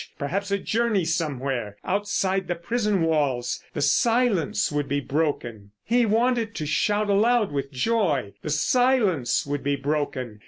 Perhaps a journey somewhere. Outside the prison walls. The silence would be broken. He wanted to shout aloud with joy. The silence would be broken!